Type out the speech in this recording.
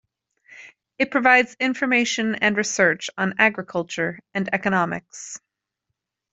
It provides information and research on agriculture and economics.